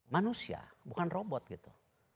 manusia bukan robot gitu